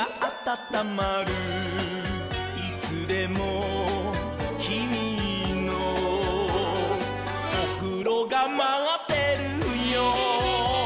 「いつでもきみのおふろがまってるよ」